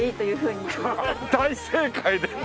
大正解です。